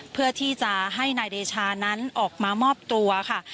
เพื่อที่จะให้นายเดชานั้นออกมามอบตัวค่ะ